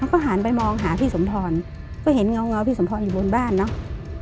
ก็หันไปมองหาพี่สมพรก็เห็นเงาพี่สมพรอยู่บนบ้านเนอะ